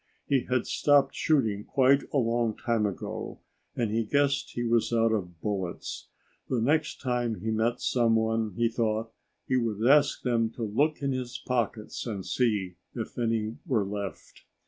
He had stopped shooting quite a long time ago, and he guessed he was out of bullets. The next time he met someone, he thought, he would ask them to look in his pockets and see if any were left.